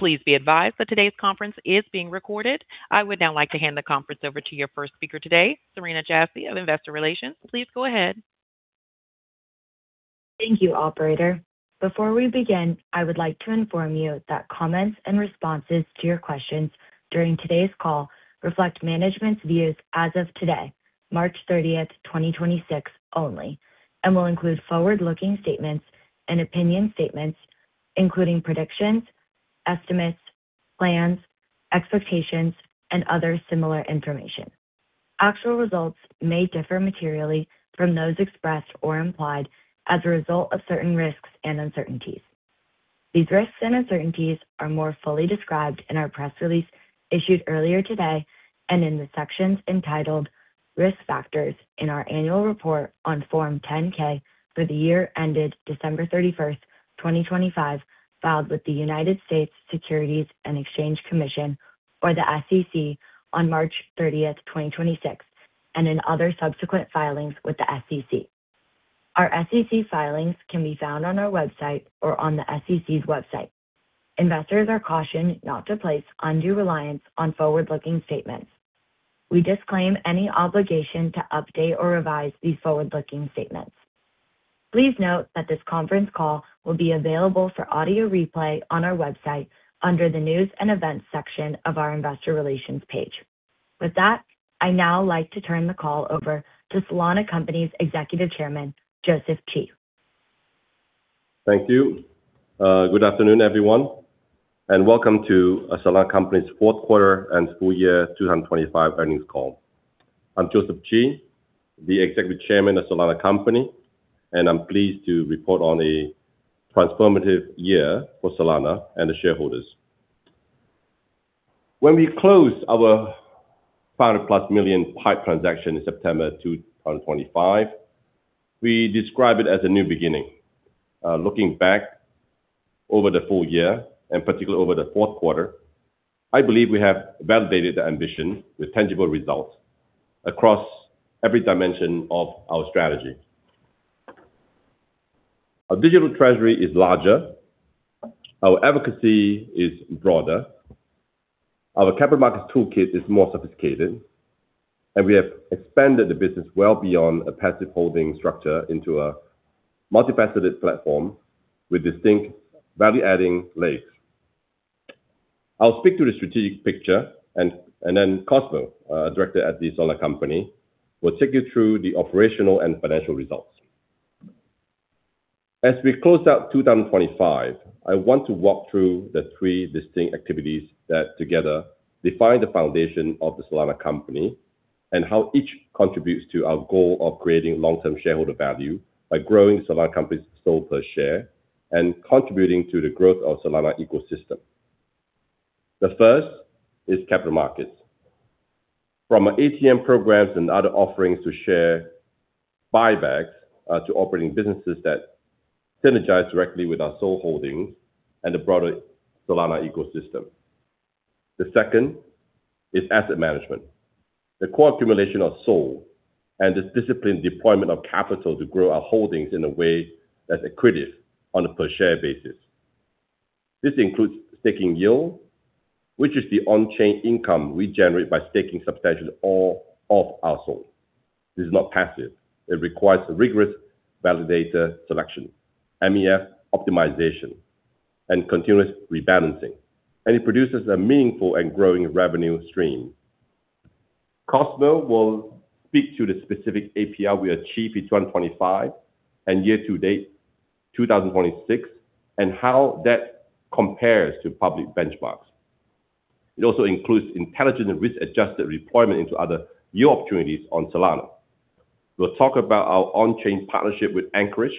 Please be advised that today's conference is being recorded. I would now like to hand the conference over to your first speaker today, Serena Jassy of Investor Relations. Please go ahead. Thank you, operator. Before we begin, I would like to inform you that comments and responses to your questions during today's call reflect management's views as of today, March 30th, 2026, only, and will include forward-looking statements and opinion statements, including predictions, estimates, plans, expectations, and other similar information. Actual results may differ materially from those expressed or implied as a result of certain risks and uncertainties. These risks and uncertainties are more fully described in our press release issued earlier today and, in the sections, entitled Risk Factors in our annual report on Form 10-K for the year ended December 31st, 2025, filed with the United States Securities and Exchange Commission, or the SEC, on March 30th, 2026, and in other subsequent filings with the SEC. Our SEC filings can be found on our website or on the SEC's website. Investors are cautioned not to place undue reliance on forward-looking statements. We disclaim any obligation to update or revise these forward-looking statements. Please note that this conference call will be available for audio replay on our website under the News and Events section of our Investor Relations page. With that, I'd now like to turn the call over to Solana Company's Executive Chairman, Joseph Chee. Thank you. Good afternoon, everyone, and welcome to Solana Company's Q4 and Full Year 2025 Earnings Call. I'm Joseph Chee, the Executive Chairman of Solana Company, and I'm pleased to report on a transformative year for Solana and the shareholders. When we closed our $500+ million PIPE transaction in September 2025, we described it as a new beginning. Looking back over the full year, and particularly over the Q4, I believe we have validated the ambition with tangible results across every dimension of our strategy. Our digital treasury is larger, our advocacy is broader, our capital markets toolkit is more sophisticated, and we have expanded the business well beyond a passive holding structure into a multifaceted platform with distinct value-adding legs. I'll speak to the strategic picture and then Cosmo Jiang, Director at the Solana Company, will take you through the operational and financial results. As we close out 2025, I want to walk through the three distinct activities that together define the foundation of the Solana Company and how each contributes to our goal of creating long-term shareholder value by growing Solana Company's SOL per share and contributing to the growth of Solana ecosystem. The first is capital markets. From our ATM programs and other offerings to share buybacks, to operating businesses that synergize directly with our SOL holdings and the broader Solana ecosystem. The second is asset management. The core accumulation of SOL and the disciplined deployment of capital to grow our holdings in a way that's accretive on a per share basis. This includes staking yield, which is the on-chain income we generate by staking substantially all of our SOL. This is not passive. It requires rigorous validator selection, MEV optimization, and continuous rebalancing, and it produces a meaningful and growing revenue stream. Cosmo will speak to the specific APR we achieved in 2025 and year to date, 2026, and how that compares to public benchmarks. It also includes intelligent risk-adjusted deployment into other yield opportunities on Solana. We'll talk about our on-chain partnership with Anchorage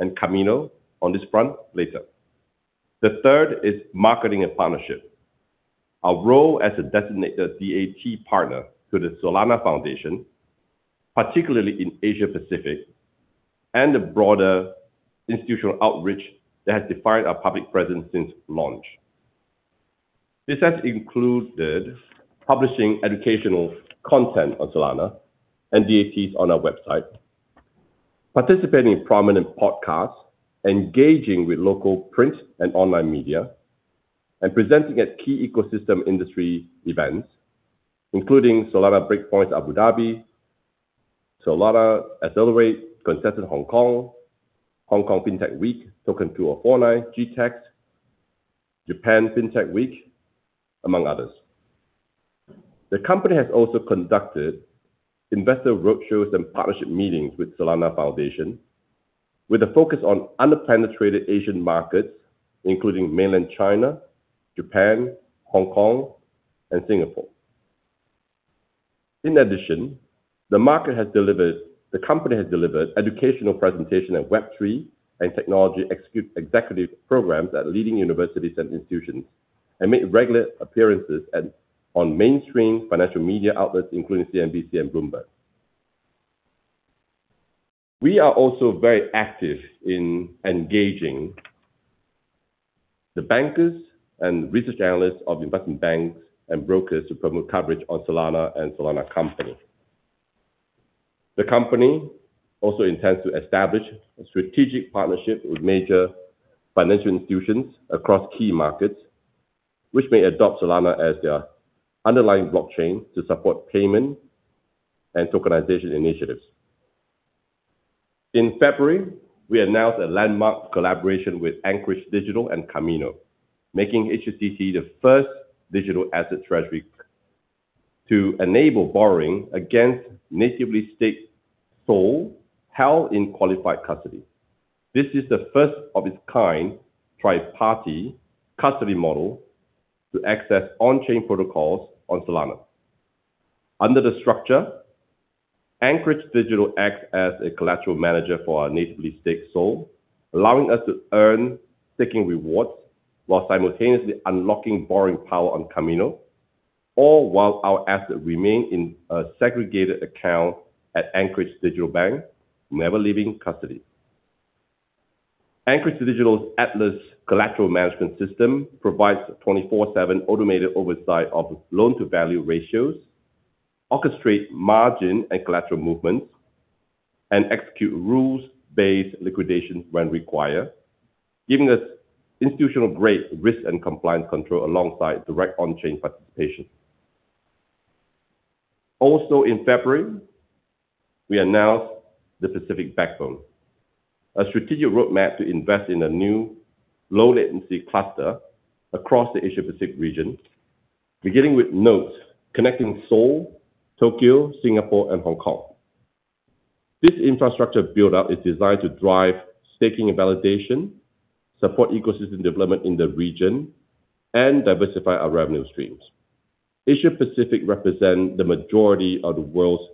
and Kamino on this front later. The third is marketing and partnership. Our role as a designated DAT partner to the Solana Foundation, particularly in Asia-Pacific and the broader institutional outreach that has defined our public presence since launch. This has included publishing educational content on Solana and DATs on our website, participating in prominent podcasts, engaging with local print and online media, and presenting at key ecosystem industry events, including Solana Breakpoint Abu Dhabi, Solana Accelerate Consensus Hong Kong, Hong Kong FinTech Week, TOKEN2049, GTC, Japan Fintech Week, among others. The company has also conducted investor roadshows and partnership meetings with Solana Foundation with a focus on under-penetrated Asian markets, including Mainland China, Japan, Hong Kong, and Singapore. In addition, the company has delivered educational presentations at Web3 and technology executive programs at leading universities and institutions, and made regular appearances on mainstream financial media outlets, including CNBC and Bloomberg. We are also very active in engaging the bankers and research analysts of investment banks and brokers to promote coverage on Solana and Solana Company. The company also intends to establish a strategic partnership with major financial institutions across key markets, which may adopt Solana as their underlying blockchain to support payment and tokenization initiatives. In February, we announced a landmark collaboration with Anchorage Digital and Kamino, making HSCC the first digital asset treasury to enable borrowing against natively staked SOL held in qualified custody. This is the first of its kind tri-party custody model to access on-chain protocols on Solana. Under the structure, Anchorage Digital acts as a collateral manager for our natively staked SOL, allowing us to earn staking rewards while simultaneously unlocking borrowing power on Kamino, all while our assets remain in a segregated account at Anchorage Digital Bank, never leaving custody. Anchorage Digital's Atlas collateral management system provides 24/7 automated oversight of loan-to-value ratios, orchestrate margin and collateral movements, and execute rules-based liquidations when required, giving us institutional-grade risk and compliance control alongside direct on-chain participation. Also in February, we announced the Pacific Backbone, a strategic roadmap to invest in a new low-latency cluster across the Asia-Pacific region, beginning with nodes connecting Seoul, Tokyo, Singapore and Hong Kong. This infrastructure buildup is designed to drive staking and validation, support ecosystem development in the region, and diversify our revenue streams. Asia-Pacific represent the majority of the world's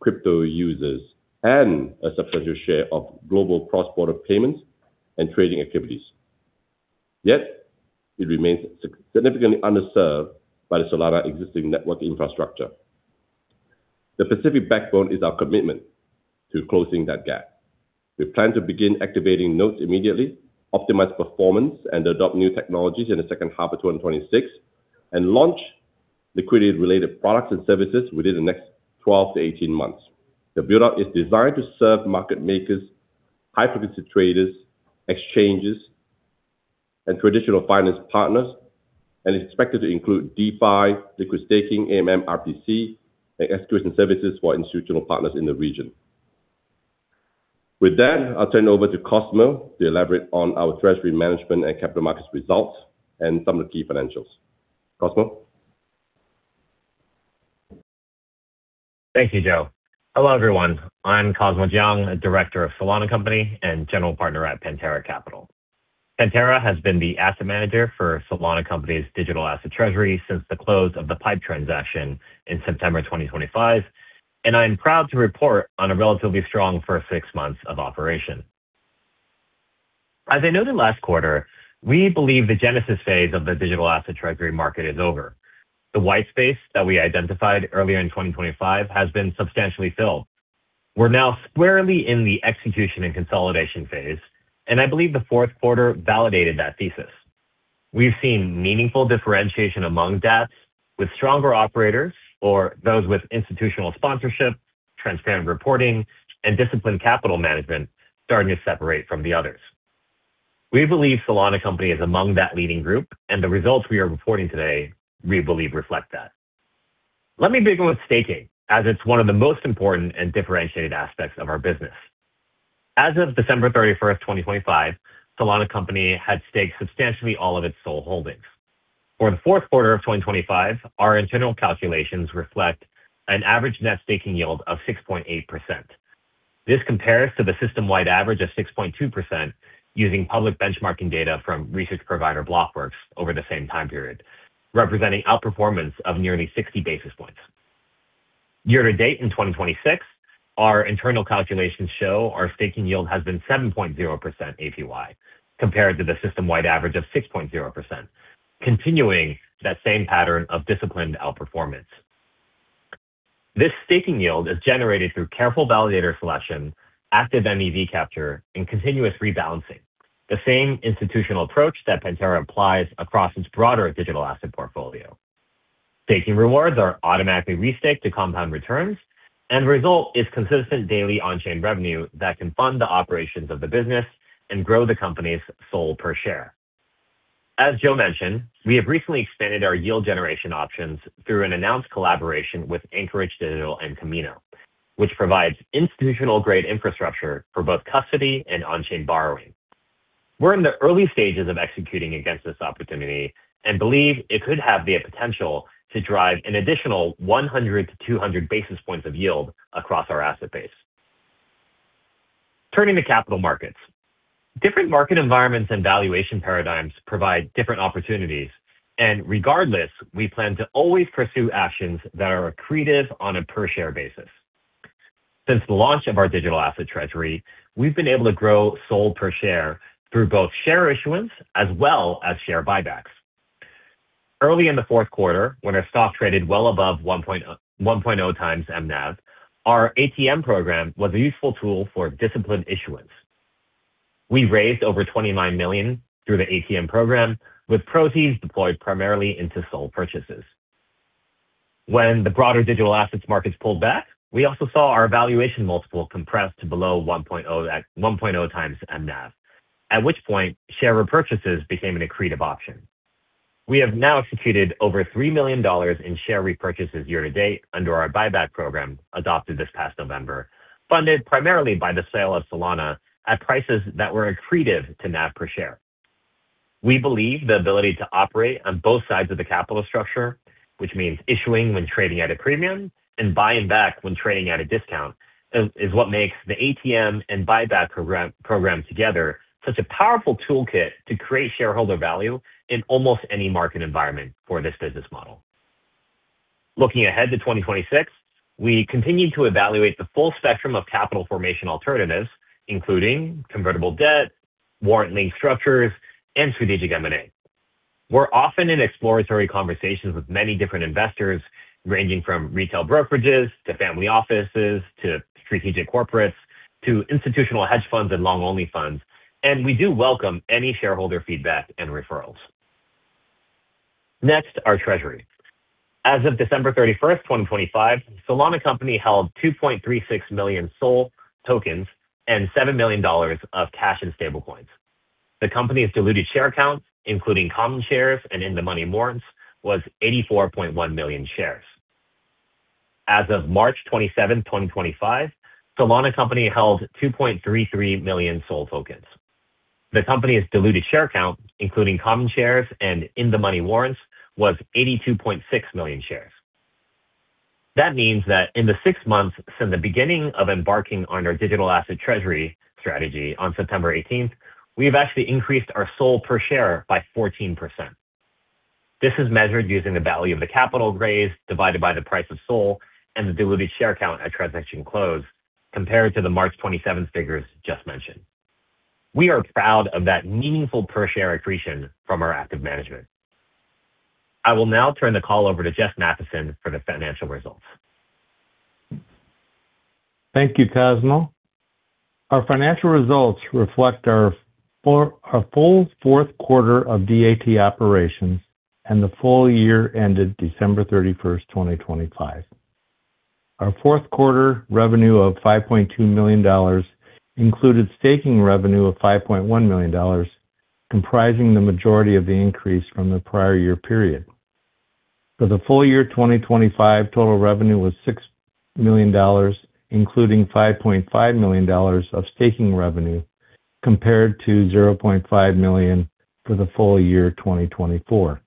crypto users and a substantial share of global cross-border payments and trading activities. Yet it remains significantly underserved by the Solana existing network infrastructure. The Pacific Backbone is our commitment to closing that gap. We plan to begin activating nodes immediately, optimize performance, and adopt new technologies in the second half of 2026, and launch liquidity-related products and services within the next 12 to 18 months. The buildup is designed to serve market makers, high-frequency traders, exchanges, and traditional finance partners, and is expected to include DeFi, liquid staking, AMM, RPC, and execution services for institutional partners in the region. With that, I'll turn it over to Cosmo to elaborate on our treasury management and capital markets results and some of the key financials. Cosmo. Thank you, Joe. Hello, everyone. I'm Cosmo Jiang, a director of Solana Company and general partner at Pantera Capital. Pantera has been the asset manager for Solana Company's digital asset treasury since the close of the PIPE transaction in September 2025, and I'm proud to report on a relatively strong first six months of operation. As I noted last quarter, we believe the genesis phase of the digital asset treasury market is over. The white space that we identified earlier in 2025 has been substantially filled. We're now squarely in the execution and consolidation phase, and I believe the Q4 validated that thesis. We've seen meaningful differentiation among DApps with stronger operators or those with institutional sponsorship, transparent reporting, and disciplined capital management starting to separate from the others. We believe Solana Company is among that leading group, and the results we are reporting today, we believe, reflect that. Let me begin with staking, as it's one of the most important and differentiated aspects of our business. As of December 31, 2025, Solana Company had staked substantially all of its SOL holdings. For the Q4 of 2025, our internal calculations reflect an average net staking yield of 6.8%. This compares to the system-wide average of 6.2% using public benchmarking data from research provider Blockworks over the same time period, representing outperformance of nearly 60 basis points. Year to date in 2026, our internal calculations show our staking yield has been 7.0% APY compared to the system-wide average of 6.0%, continuing that same pattern of disciplined outperformance. This staking yield is generated through careful validator selection, active MEV capture, and continuous rebalancing, the same institutional approach that Pantera applies across its broader digital asset portfolio. Staking rewards are automatically restaked to compound returns, and the result is consistent daily on-chain revenue that can fund the operations of the business and grow the company's SOL per share. As Joe mentioned, we have recently expanded our yield generation options through an announced collaboration with Anchorage Digital and Kamino, which provides institutional-grade infrastructure for both custody and on-chain borrowing. We're in the early stages of executing against this opportunity and believe it could have the potential to drive an additional 100-200 basis points of yield across our asset base. Turning to capital markets. Different market environments and valuation paradigms provide different opportunities, and regardless, we plan to always pursue actions that are accretive on a per share basis. Since the launch of our digital asset treasury, we've been able to grow SOL per share through both share issuance as well as share buybacks. Early in the Q4, when our stock traded well above 1.0 times NAV, our ATM program was a useful tool for disciplined issuance. We raised over $29 million through the ATM program, with proceeds deployed primarily into SOL purchases. When the broader digital assets markets pulled back, we also saw our valuation multiple compress to below 1.0 times NAV, at which point share repurchases became an accretive option. We have now executed over $3 million in share repurchases year to date under our buyback program adopted this past November, funded primarily by the sale of Solana at prices that were accretive to NAV per share. We believe the ability to operate on both sides of the capital structure, which means issuing when trading at a premium and buying back when trading at a discount, is what makes the ATM and buyback program together such a powerful toolkit to create shareholder value in almost any market environment for this business model. Looking ahead to 2026, we continue to evaluate the full spectrum of capital formation alternatives, including convertible debt, warrant-link structures and strategic M&A. We're often in exploratory conversations with many different investors, ranging from retail brokerages to family offices, to strategic corporates, to institutional hedge funds and long-only funds, and we do welcome any shareholder feedback and referrals. Next, our treasury. As of December 31st, 2025, Solana Company held 2.36 million SOL tokens and $7 million of cash and stablecoins. The company's diluted share count, including common shares and in-the-money warrants, was 84.1 million shares. As of March 27th, 2025, Solana Company held 2.33 million SOL tokens. The company's diluted share count, including common shares and in-the-money warrants, was 82.6 million shares. That means that in the six months since the beginning of embarking on our digital asset treasury strategy on September 18, we've actually increased our SOL per share by 14%. This is measured using the value of the capital raised divided by the price of SOL and the diluted share count at transaction close compared to the March 27 figures just mentioned. We are proud of that meaningful per share accretion from our active management. I will now turn the call over to Jeff Mathiesen for the financial results. Thank you, Cosmo Jiang. Our financial results reflect our full Q4 of DAT operations, and the full year ended December 31st, 2025. Our Q4 revenue of $5.2 million included staking revenue of $5.1 million, comprising the majority of the increase from the prior year period. For the full year 2025, total revenue was $6 million, including $5.5 million of staking revenue, compared to $0.5 million for the full year 2024.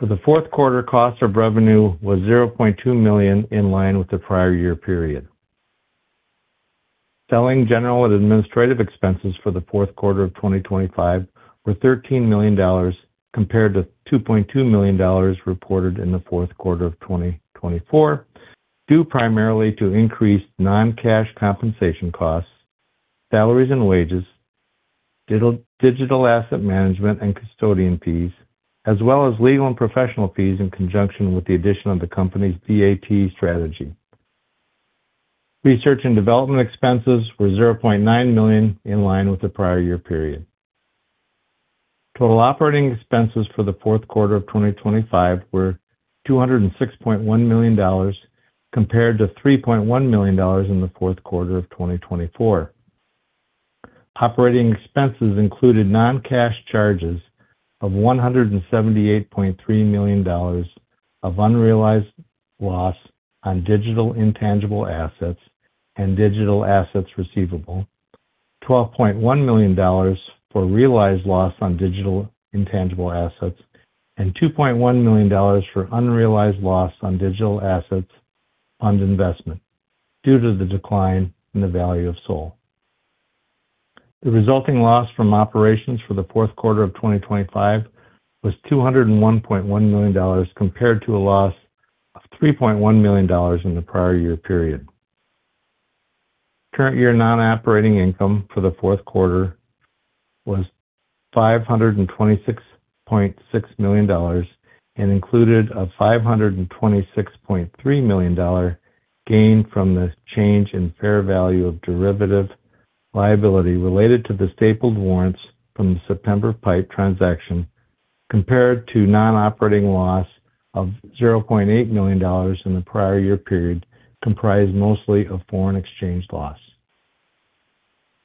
For the Q4, cost of revenue was $0.2 million, in line with the prior year period. Selling, general, and administrative expenses for the Q4 of 2025 were $13 million, compared to $2.2 million reported in the Q4 of 2024, due primarily to increased non-cash compensation costs, salaries and wages, digital asset management and custodian fees, as well as legal and professional fees in conjunction with the addition of the company's DAT strategy. Research and development expenses were $0.9 million, in line with the prior year period. Total operating expenses for the Q4 of 2025 were $206.1 million compared to $3.1 million in the Q4 of 2024. Operating expenses included non-cash charges of $178.3 million of unrealized loss on digital intangible assets and digital assets receivable, $12.1 million for realized loss on digital intangible assets, and $2.1 million for unrealized loss on digital assets on investment due to the decline in the value of SOL. The resulting loss from operations for the Q4 of 2025 was $201.1 million, compared to a loss of $3.1 million in the prior year period. Current year non-operating income for the Q4 was $526.6 million and included a $526.3 million gain from the change in fair value of derivative liability related to the stapled warrants from the September PIPE transaction, compared to non-operating loss of $0.8 million in the prior year period, comprised mostly of foreign exchange loss.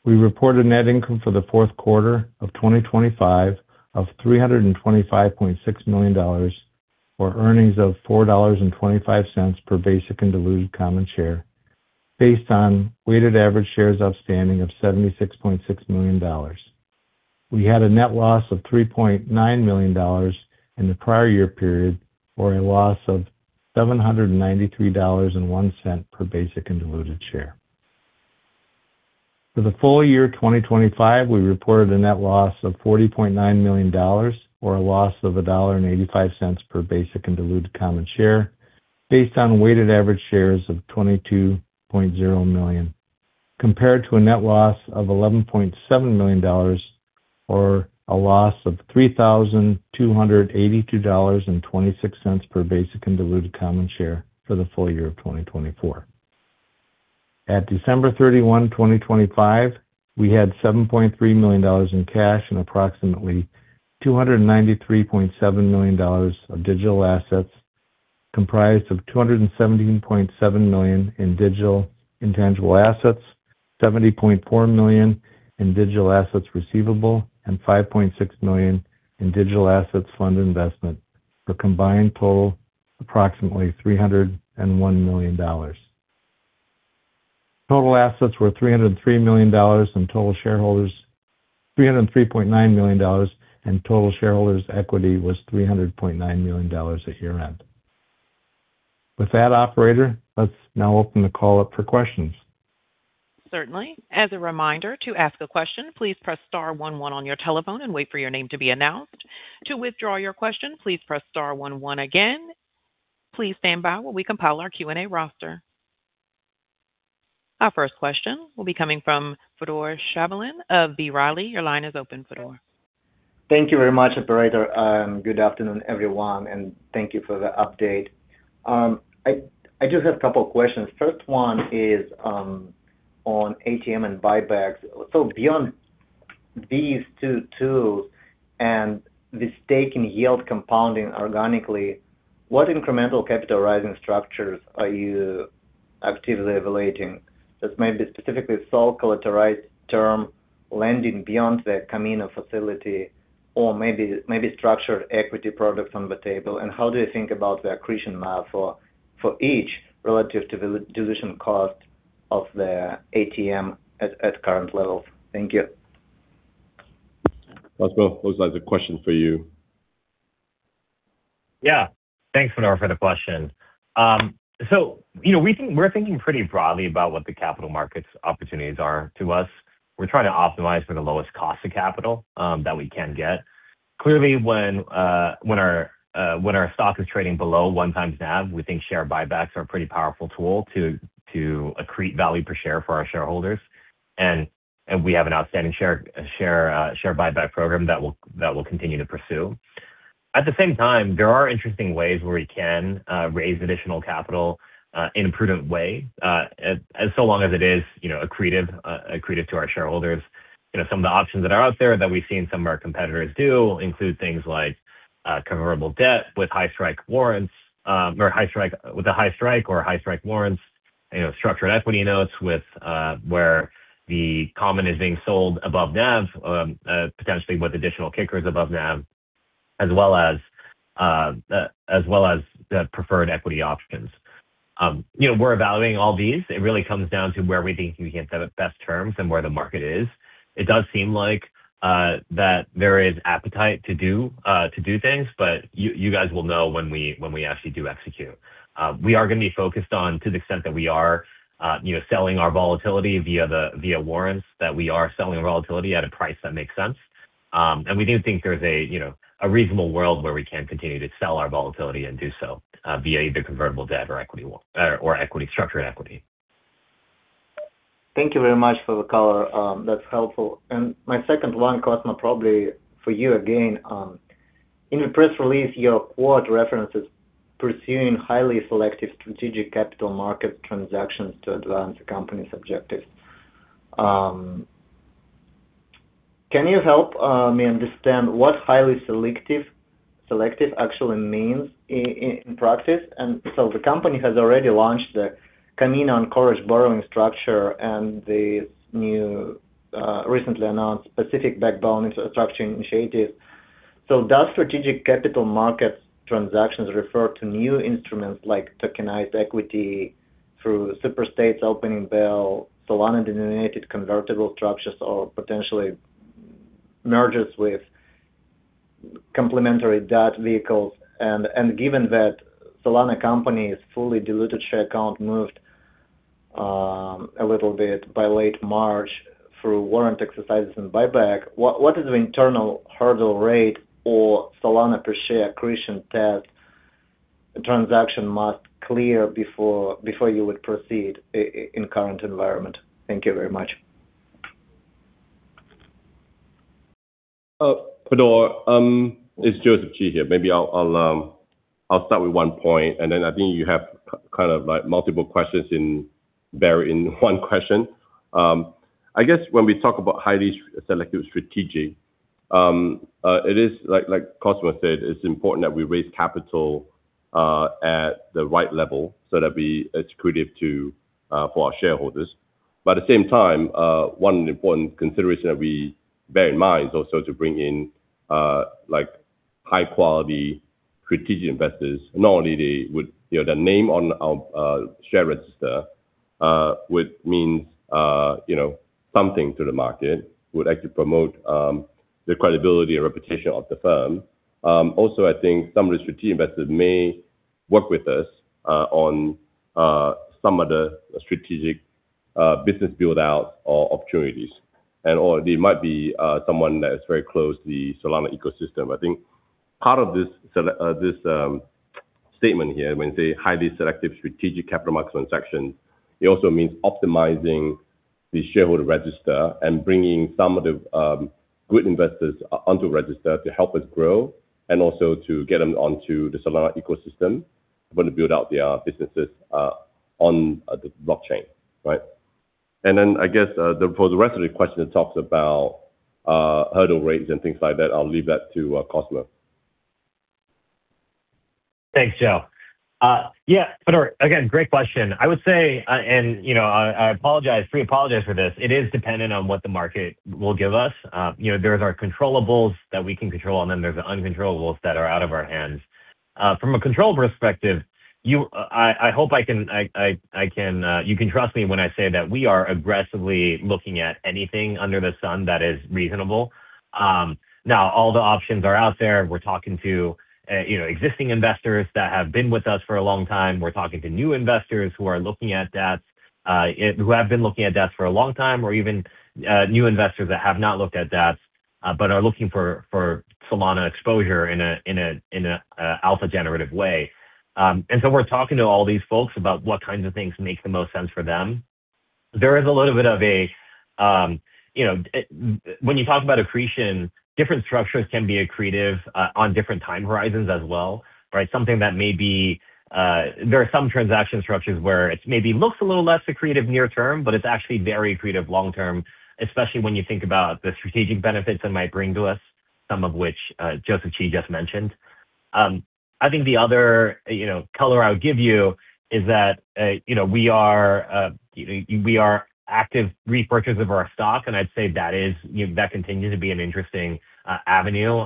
We reported net income for the Q4 of 2025 of $325.6 million, or earnings of $4.25 per basic and diluted common share, based on weighted average shares outstanding of 76.6 million. We had a net loss of $3.9 million in the prior year period, or a loss of $793.01 per basic and diluted share. For the full year 2025, we reported a net loss of $40.9 million or a loss of $1.85 per basic and diluted common share based on weighted average shares of 22.0 million, compared to a net loss of $11.7 million. a loss of $3,282.26 per basic and diluted common share for the full year 2024. At December 31, 2025, we had $7.3 million in cash and approximately $293.7 million of digital assets, comprised of $217.7 million in digital intangible assets, $70.4 million in digital assets receivable, and $5.6 million in digital assets fund investment, for a combined total approximately $301 million. Total assets were $303 million, and total shareholders' equity was $300.9 million at year-end. With that, operator, let's now open the call up for questions. Certainly. As a reminder, to ask a question, please press star one one on your telephone and wait for your name to be announced. To withdraw your question, please press star one one again. Please stand by while we compile our Q&A roster. Our first question will be coming from Fedor Shabalin of B. Riley. Your line is open, Fedor. Thank you very much, operator. Good afternoon, everyone, and thank you for the update. I just have a couple of questions. First one is on ATM and buybacks. Beyond these two tools and the stake in yield compounding organically, what incremental capital rising structures are you actively evaluating? That's maybe specifically SOL collateralized term lending beyond the Kamino facility or maybe structured equity products on the table. And how do you think about the accretion model for each relative to the dilution cost of the ATM at current levels? Thank you. Cosmo, looks like a question for you. Yeah. Thanks, Fedor, for the question. You know, we're thinking pretty broadly about what the capital markets opportunities are to us. We're trying to optimize for the lowest cost of capital that we can get. Clearly when our stock is trading below one times NAV, we think share buybacks are a pretty powerful tool to accrete value per share for our shareholders. We have an outstanding share buyback program that we'll continue to pursue. At the same time, there are interesting ways where we can raise additional capital in a prudent way as long as it is, you know, accretive to our shareholders. You know, some of the options that are out there that we've seen some of our competitors do include things like convertible debt with high strike warrants, or high strike warrants, you know, structured equity notes with where the common is being sold above NAV, potentially with additional kickers above NAV, as well as the preferred equity options. You know, we're evaluating all these. It really comes down to where we think we can get the best terms and where the market is. It does seem like that there is appetite to do things, but you guys will know when we actually do execute. We are going to be focused on, to the extent that we are, you know, selling our volatility via warrants, that we are selling volatility at a price that makes sense. We do think there's a, you know, a reasonable world where we can continue to sell our volatility and do so via either convertible debt or equity structured equity. Thank you very much for the color. That's helpful. My second one, Cosmo, probably for you again. In your press release, your quote references pursuing highly selective strategic capital markets transactions to advance the company's objectives. Can you help me understand what highly selective actually means in practice? The company has already launched the Kamino Finance borrowing structure and the new, recently announced Pacific Backbone structure initiative. Does strategic capital markets transactions refer to new instruments like tokenized equity through Superstate's Opening Bell, Solana-denominated convertible structures, or potentially mergers with complementary DOT vehicles? Given that Solana Company's fully diluted share count moved a little bit by late March through warrant exercises and buyback, what is the internal hurdle rate or Solana per share accretion test the transaction must clear before you would proceed in current environment? Thank you very much. Fedor, it's Joseph Chee here. Maybe I'll start with one point, and then I think you have kind of, like, multiple questions buried in one question. I guess when we talk about highly selective strategic, it is like Cosmo said, it's important that we raise capital at the right level so that it's accretive to for our shareholders. But at the same time, one important consideration that we bear in mind is also to bring in like high-quality strategic investors. Not only they would, you know, their name on our share register, which means, you know, something to the market, would actually promote the credibility and reputation of the firm. Also, I think some of the strategic investors may work with us on some of the strategic business build-out or opportunities. They might be someone that is very close to the Solana ecosystem. I think part of this. Statement here. When they say highly selective strategic capital market transaction, it also means optimizing the shareholder register and bringing some of the good investors onto register to help us grow and also to get them onto the Solana ecosystem. We're going to build out their businesses on the blockchain, right? Then I guess for the rest of the question that talks about hurdle rates and things like that, I'll leave that to Cosmo. Thanks, Joe. Fedor, again, great question. I would say, I apologize, pre-apologize for this. It is dependent on what the market will give us. You know, there's our controllables that we can control, and then there's the uncontrollables that are out of our hands. From a controllable perspective, I hope you can trust me when I say that we are aggressively looking at anything under the sun that is reasonable. Now all the options are out there. We're talking to existing investors that have been with us for a long time. We're talking to new investors who are looking at DATS, who have been looking at DATS for a long time or even new investors that have not looked at DATS, but are looking for Solana exposure in a alpha generative way. We're talking to all these folks about what kinds of things make the most sense for them. There is a little bit of a when you talk about accretion, different structures can be accretive on different time horizons as well, right? There are some transaction structures where it maybe looks a little less accretive near term, but it's actually very accretive long term, especially when you think about the strategic benefits it might bring to us, some of which Joseph Chee just mentioned. I think the other, you know, color I would give you is that, you know, we are active repurchasers of our stock, and I'd say that is, you know, that continues to be an interesting avenue.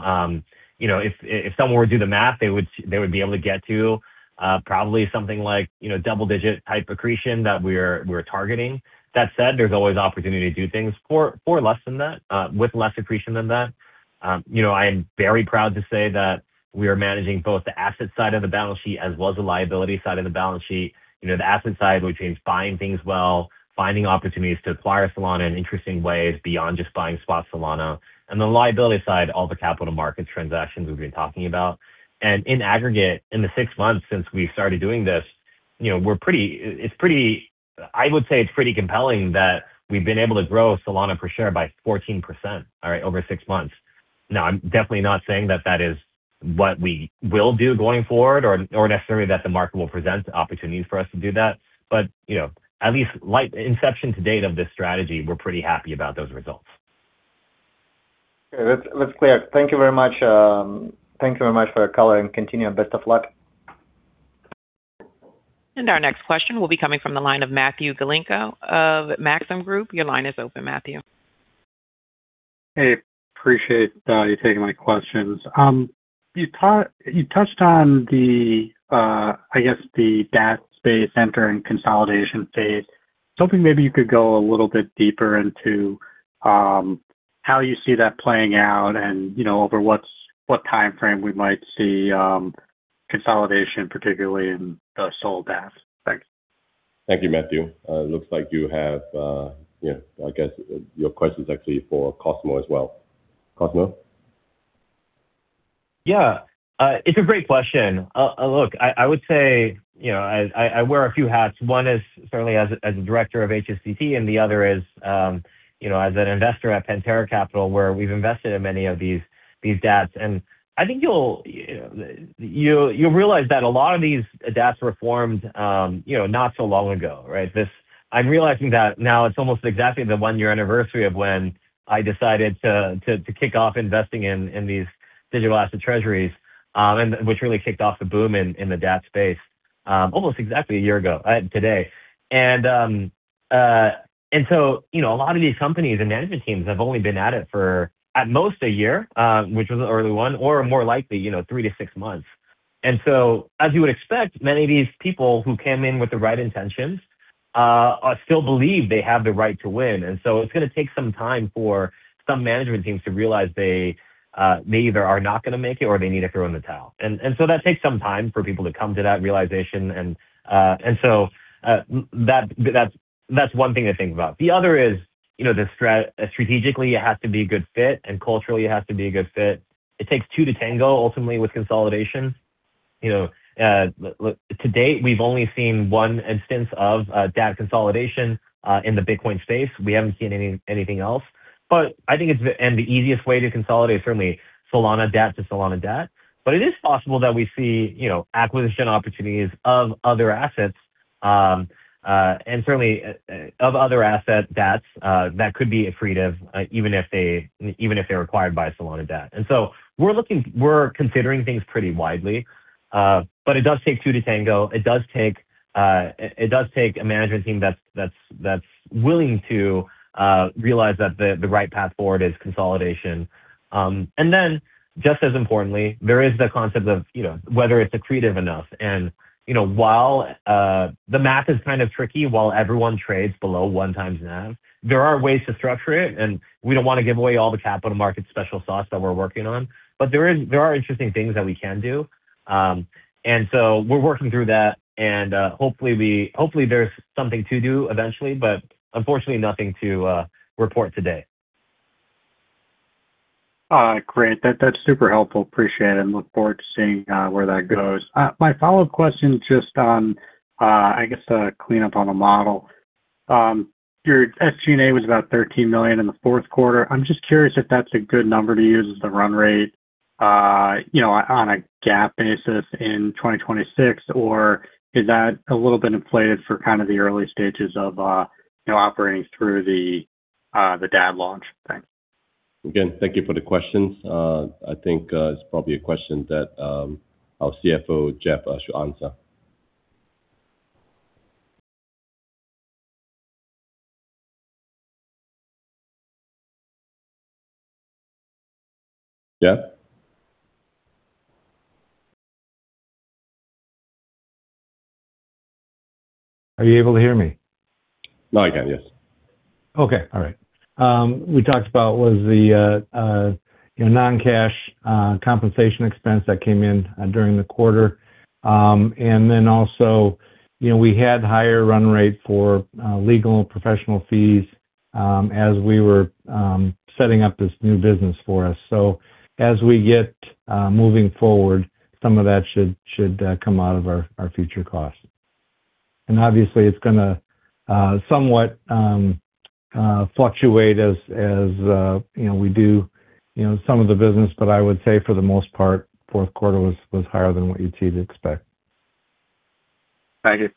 You know, if someone were to do the math, they would be able to get to, probably something like, you know, double-digit type accretion that we're targeting. That said, there's always opportunity to do things for less than that, with less accretion than that. You know, I am very proud to say that we are managing both the asset side of the balance sheet as well as the liability side of the balance sheet. You know, the asset side, which means buying things well, finding opportunities to acquire Solana in interesting ways beyond just buying spot Solana. The liability side, all the capital markets transactions we've been talking about. In aggregate, in the six months since we've started doing this, you know, I would say it's pretty compelling that we've been able to grow Solana per share by 14%, all right, over six months. Now, I'm definitely not saying that that is what we will do going forward or necessarily that the market will present opportunities for us to do that. You know, at least since inception to date of this strategy, we're pretty happy about those results. Okay. That's clear. Thank you very much. Thank you very much for your color, and continued best of luck. Our next question will be coming from the line of Matthew Galinko of Maxim Group. Your line is open, Matthew. Hey. Appreciate you taking my questions. You touched on the, I guess the DATS space entering consolidation phase. Just hoping maybe you could go a little bit deeper into how you see that playing out and, you know, over what timeframe we might see consolidation, particularly in the SOL DATS. Thanks. Thank you, Matthew. Looks like you have. Yeah, I guess your question is actually for Cosmo as well. Cosmo? Yeah. It's a great question. Look, I wear a few hats. One is certainly as director of HSDT and the other is, you know, as an investor at Pantera Capital, where we've invested in many of these DATS. I think you'll realize that a lot of these DATS were formed, you know, not so long ago, right? I'm realizing that now it's almost exactly the one-year anniversary of when I decided to kick off investing in these digital asset treasuries, and which really kicked off the boom in the DATS space, almost exactly a year ago, today. You know, a lot of these companies and management teams have only been at it for at most a year, which was an early one, or more likely, you know, three to six months. As you would expect, many of these people who came in with the right intentions still believe they have the right to win. It's going to take some time for some management teams to realize they either are not going to make it or they need to throw in the towel. That takes some time for people to come to that realization. That's one thing to think about. The other is, you know, strategically, it has to be a good fit, and culturally, it has to be a good fit. It takes two to tango ultimately with consolidation. You know, to date, we've only seen one instance of DATS consolidation in the Bitcoin space. We haven't seen anything else. I think it's the easiest way to consolidate is certainly Solana DATS to Solana DATS. It is possible that we see, you know, acquisition opportunities of other assets and certainly of other asset DATS that could be accretive, even if they're acquired by a Solana DATS. We're looking, we're considering things pretty widely, but it does take two to tango. It does take a management team that's willing to realize that the right path forward is consolidation. Then just as importantly, there is the concept of, you know, whether it's accretive enough. You know, while the math is kind of tricky, while everyone trades below 1x NAV, there are ways to structure it, and we don't want to give away all the capital markets special sauce that we're working on. There are interesting things that we can do. We're working through that and hopefully there's something to do eventually, but unfortunately nothing to report today. Great. That's super helpful. Appreciate it and look forward to seeing where that goes. My follow-up question just on, I guess, a cleanup on a model. Your SG&A was about $13 million in the Q4. I'm just curious if that's a good number to use as the run rate, you know, on a GAAP basis in 2026, or is that a little bit inflated for kind of the early stages of, you know, operating through the DAT launch? Thanks. Again, thank you for the questions. I think it's probably a question that our CFO, Jeff, should answer. Jeff? Are you able to hear me? Now I can, yes. Okay. All right. What we talked about was the, you know, non-cash compensation expense that came in during the quarter. Also, you know, we had higher run rate for legal and professional fees as we were setting up this new business for us. As we get moving forward, some of that should come out of our future costs. Obviously, it's going to somewhat fluctuate as, you know, we do, you know, some of the business, but I would say for the most part, Q4 was higher than what you'd expect to see. Thank you.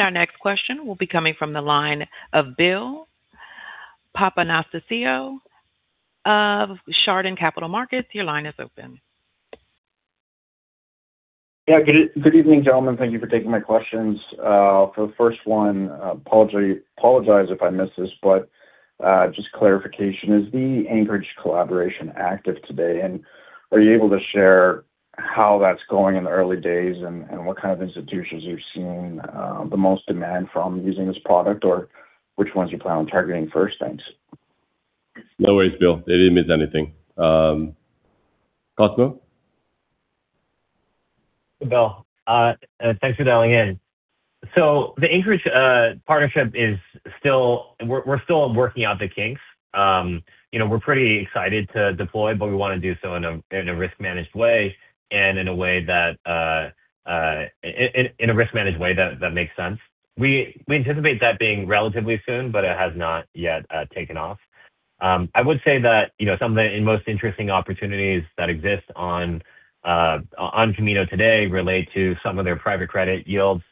Our next question will be coming from the line of Bill Papanastasiou of Chardan Capital Markets. Your line is open. Yeah. Good evening, gentlemen. Thank you for taking my questions. For the first one, apologize if I missed this, but just clarification. Is the Anchorage collaboration active today? Are you able to share how that's going in the early days and what kind of institutions you're seeing the most demand from using this product, or which ones you plan on targeting first? Thanks. No worries, Bill. You didn't miss anything. Cosmo? Bill, thanks for dialing in. The Anchorage partnership is still. We're still working out the kinks. You know, we're pretty excited to deploy, but we want to do so in a risk managed way and in a way that makes sense. We anticipate that being relatively soon, but it has not yet taken off. I would say that, you know, some of the most interesting opportunities that exist on Kamino today relate to some of their private credit yields,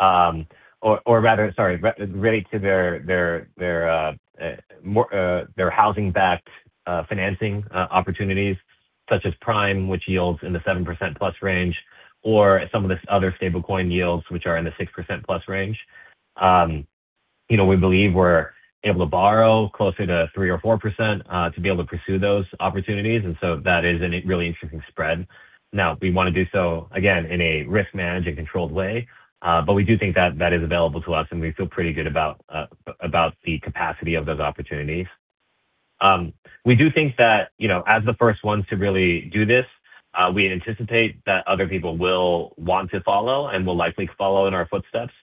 or rather, relate to their more housing-backed financing opportunities such as SolanaPrime, which yields in the 7%+ range, or some of the other stablecoin yields, which are in the 6%+ range. You know, we believe we're able to borrow closer to 3% to 4% to be able to pursue those opportunities, and so that is a really interesting spread. Now we want to do so, again, in a risk managed and controlled way, but we do think that that is available to us, and we feel pretty good about about the capacity of those opportunities. You know, as the first ones to really do this, we anticipate that other people will want to follow and will likely follow in our footsteps.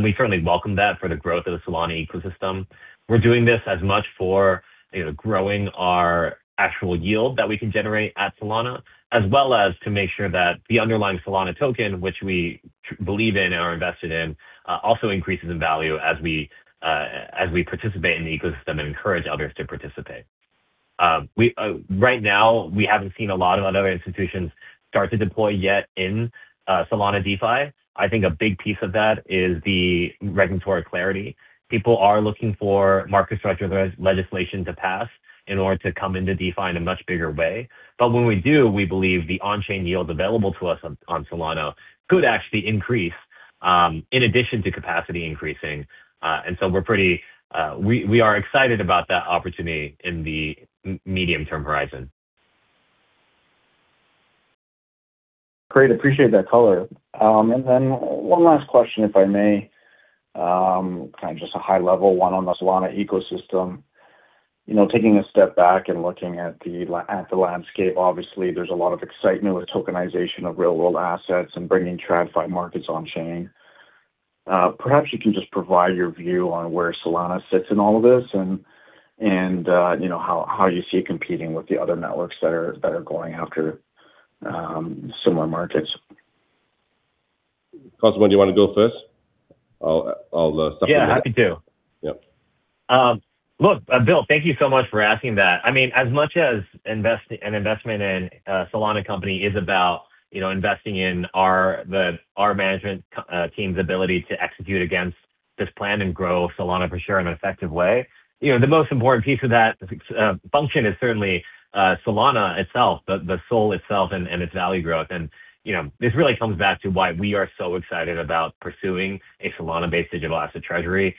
We certainly welcome that for the growth of the Solana ecosystem. We're doing this as much for, you know, growing our actual yield that we can generate at Solana, as well as to make sure that the underlying Solana token, which we believe in and are invested in, also increases in value as we participate in the ecosystem and encourage others to participate. Right now we haven't seen a lot of other institutions start to deploy yet in Solana DeFi. I think a big piece of that is the regulatory clarity. People are looking for market structure legislation to pass in order to come into DeFi in a much bigger way. When we do, we believe the on-chain yield available to us on Solana could actually increase in addition to capacity increasing. We're excited about that opportunity in the medium term horizon. Great. Appreciate that color. And then one last question, if I may. Kind of just a high-level one on the Solana ecosystem. You know, taking a step back and looking at the landscape, obviously there's a lot of excitement with tokenization of real-world assets and bringing TradFi markets on-chain. Perhaps you can just provide your view on where Solana sits in all of this and, you know, how you see it competing with the other networks that are going after similar markets. Cosmo, do you want to go first? I'll supplement. Yeah, happy to. Yep. Look, Bill, thank you so much for asking that. I mean, as much as an investment in Solana Company is about, you know, investing in our management team's ability to execute against this plan and grow Solana for sure in an effective way. You know, the most important piece of that function is certainly Solana itself, the SOL itself and its value growth. You know, this really comes back to why we are so excited about pursuing a Solana-based digital asset treasury.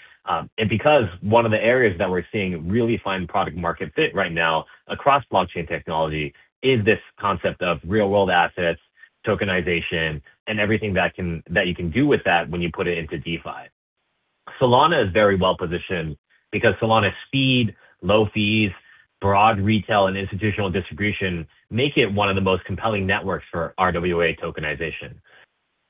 Because one of the areas that we're seeing really finding product-market fit right now across blockchain technology is this concept of real-world assets, tokenization, and everything that you can do with that when you put it into DeFi. Solana is very well positioned because Solana's speed, low fees, broad retail and institutional distribution make it one of the most compelling networks for RWA tokenization.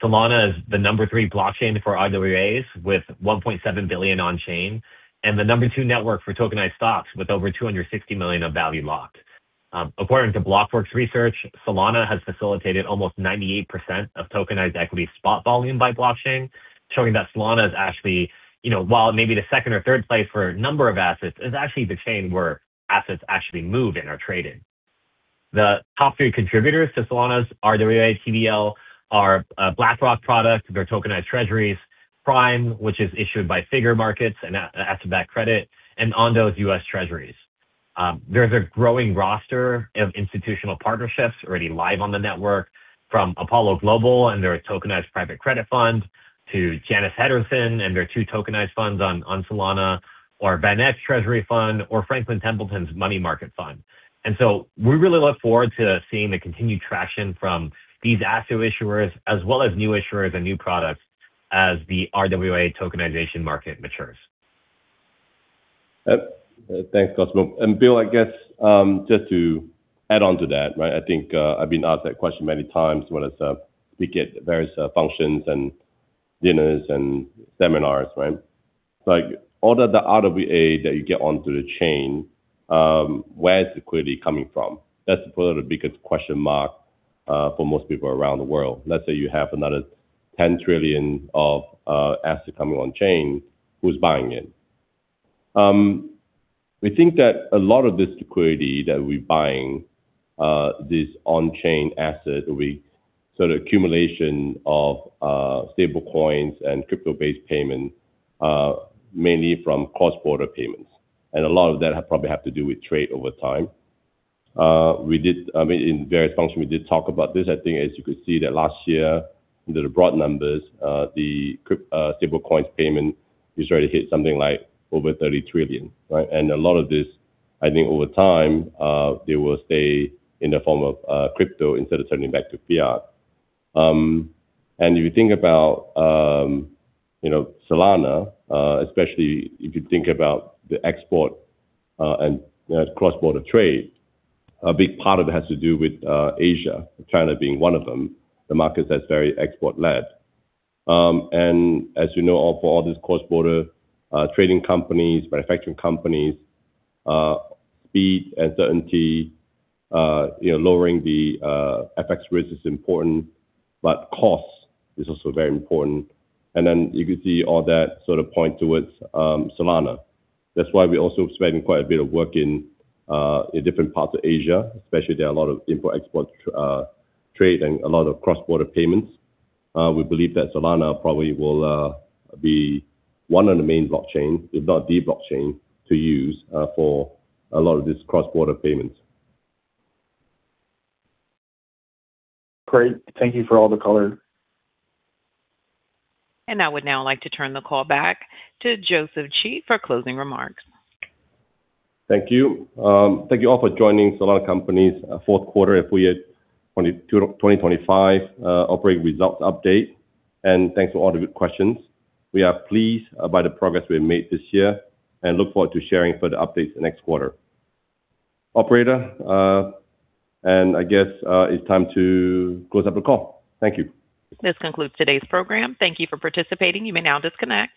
Solana is the number three blockchain for RWAs, with $1.7 billion on chain, and the number two network for tokenized stocks with over $260 million of value locked. According to Blockworks Research, Solana has facilitated almost 98% of tokenized equity spot volume by blockchain, showing that Solana is actually, you know, while it may be the second or third place for a number of assets, is actually the chain where assets actually move and are traded. The top three contributors to Solana's RWA TVL are BlackRock products, their tokenized treasuries, Prime, which is issued by Figure Markets and asset-backed credit, and Ondo's US Treasuries. There's a growing roster of institutional partnerships already live on the network from Apollo Global Management and their tokenized private credit fund to Janus Henderson Investors and their two tokenized funds on Solana or VanEck's Treasury Fund or Franklin Templeton's money market fund. We really look forward to seeing the continued traction from these asset issuers as well as new issuers and new products as the RWA tokenization market matures. Thanks, Cosmo. Bill, I guess, just to add on to that, right? I think I've been asked that question many times, whether it's we get various functions and dinners and seminars, right? Like, all of the RWA that you get onto the chain, where's the liquidity coming from? That's probably the biggest question mark for most people around the world. Let's say you have another 10 trillion of assets coming on chain. Who's buying it? We think that a lot of this liquidity that we're buying this on-chain asset is sort of an accumulation of stablecoins and crypto-based payments mainly from cross-border payments. A lot of that probably has to do with trade over time. I mean, in various functions we did talk about this. I think as you could see that last year, the broad numbers, the stablecoin payments are ready to hit something like over $30 trillion, right? A lot of this, I think over time, they will stay in the form of crypto instead of turning back to fiat. If you think about, you know, Solana, especially if you think about the export and cross-border trade, a big part of it has to do with Asia, China being one of them, the markets that's very export led. As you know, for all these cross-border trading companies, manufacturing companies, speed and certainty, you know, lowering the FX risk is important, but cost is also very important. Then you can see all that sort of point towards Solana. That's why we're also spending quite a bit of work in different parts of Asia especially. There are a lot of import-export trade and a lot of cross-border payments. We believe that Solana probably will be one of the main blockchain, if not the blockchain to use, for a lot of these cross-border payments. Great. Thank you for all the color. I would now like to turn the call back to Joseph Chee for closing remarks. Thank you. Thank you all for joining Solana Company's Q4 FY 2025 operating results update, and thanks for all the good questions. We are pleased about the progress we have made this year and look forward to sharing further updates next quarter. Operator, and I guess, it's time to close up the call. Thank you. This concludes today's program. Thank you for participating. You may now disconnect.